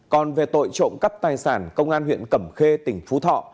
còn về tội trộm cắp tài sản công an huyện cẩm khê tỉnh phú thọ